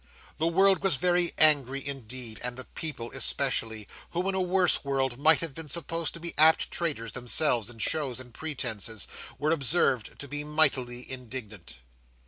The world was very angry indeed; and the people especially, who, in a worse world, might have been supposed to be apt traders themselves in shows and pretences, were observed to be mightily indignant.